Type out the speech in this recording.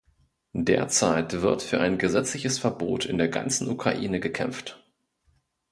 Derzeit wird für ein gesetzliches Verbot in der ganzen Ukraine gekämpft.